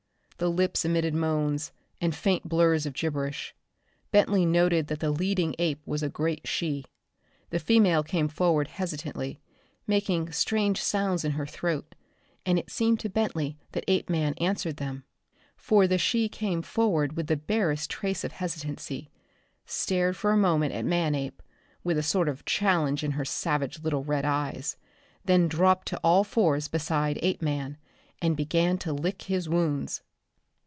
The lips emitted moans and faint blurs of gibberish. Bentley noted that the leading ape was a great she. The female came forward hesitantly, making strange sounds in her throat, and it seemed to Bentley that Apeman answered them. For the she came forward with the barest trace of hesitancy, stared for a moment at Manape, with a sort of challenge in her savage little red eyes, then dropped to all fours beside Apeman and began to lick his wounds!